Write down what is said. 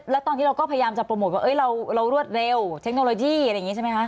แล้วตอนนี้เราก็พยายามจะโปรโมทว่าเรารวดเร็วเทคโนโลยีอะไรอย่างนี้ใช่ไหมคะ